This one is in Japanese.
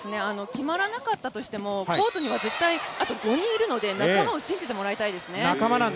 決まらなかったとしても、コートには絶対あと５人はいるので、仲間を信じてもらいたいですね。